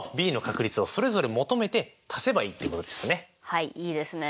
はいいいですね。